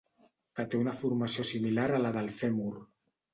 Que té una formació similar a la del fèmur.